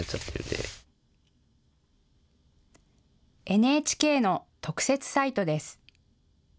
ＮＨＫの特設サイトです。